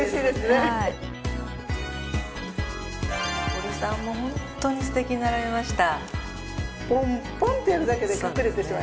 堀さんもホントにすてきになられました。